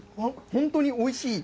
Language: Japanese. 本当においしい。